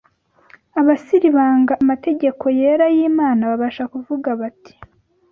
Abasiribanga amategeko yera y’Imana babasha kuvuga bati